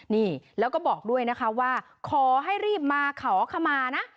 นี่แล้วก็บอกด้วยนะคะว่าขอให้รีบมาขอขมานะ